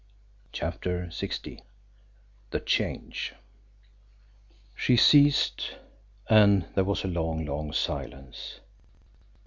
CHAPTER XVI THE CHANGE She ceased, and there was a long, long silence.